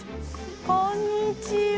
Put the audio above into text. こんにちは。